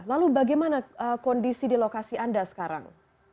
lalu bagaimana kondisi di lokasi anda sekarang